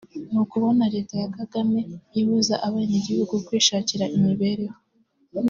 ni ukubona leta ya Kagame ibuza abeneguhugu kwishakira imibereho